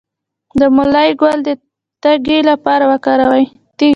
د مولی ګل د تیږې لپاره وکاروئ